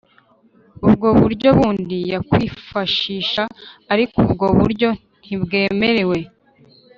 ubwo buryo bundi yakwifashisha ariko ubwo buryo ntibwemewe